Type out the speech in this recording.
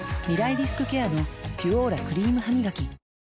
リスクケアの「ピュオーラ」クリームハミガキ